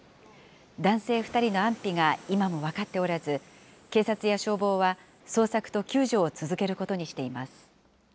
男性２人の安否が今も分かっておらず、警察や消防は捜索と救助を続けることにしています。